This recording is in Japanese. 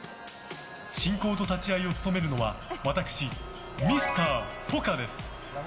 進行と立ち会いを務めるのは私、ミスター・ポカです。